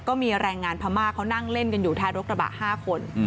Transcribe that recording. ก็มีแรงงานพม่าเขานั่งเล่นกันอยู่ท้ายรถกระบะ๕คน